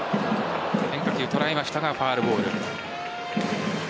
変化球、捉えましたがファウルボール。